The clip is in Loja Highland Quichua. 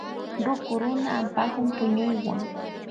Ruku runa ampakun puñuywan.